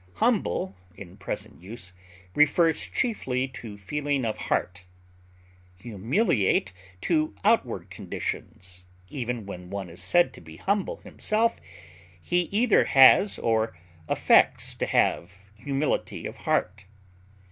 Humble in present use refers chiefly to feeling of heart; humiliate to outward conditions; even when one is said to humble himself, he either has or affects to have humility of heart.